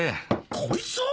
こいつを？